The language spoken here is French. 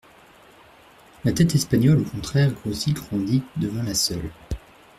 La tête espagnole, au contraire, grossit, grandit, devint la seule.